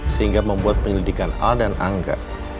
sehingga membuat penyelidikan al dan angga